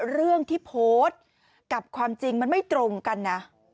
เรื่องที่โพสต์กับความจริงมันไม่ตรงกันนะ